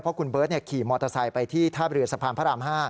เพราะการขี่รถเมนโบไซด์ไปที่ท่าบเรือสักพรรณพระราม๕